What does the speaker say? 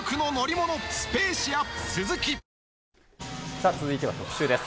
さあ、続いては特シューです。